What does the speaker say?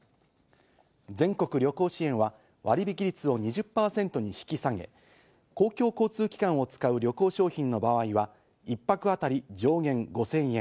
全国旅行支援は割引率を２０％に引き下げ、公共交通機関を使う旅行商品の場合は一泊あたり上限５０００円。